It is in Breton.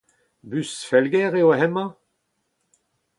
Bus Felger eo hemañ ?